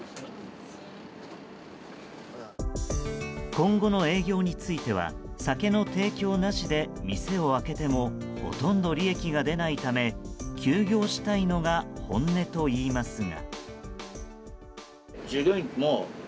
今後の営業については酒の提供なしで店を開けてもほとんど利益が出ないため休業したいのが本音といいますが。